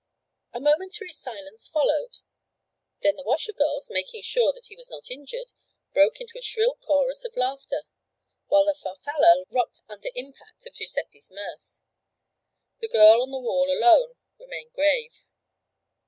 A momentary silence followed; then the washer girls, making sure that he was not injured, broke into a shrill chorus of laughter, while the Farfalla rocked under impact of Giuseppe's mirth. The girl on the wall alone remained grave.